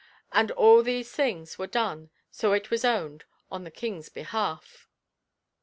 And all these things were done, so it was owned, on the King's behalf."